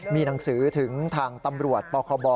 มีหนังสือถึงทางตำรวจปคบ